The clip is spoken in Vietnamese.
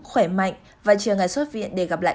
khỏe mạnh và chiều ngày xuất viện để gặp lại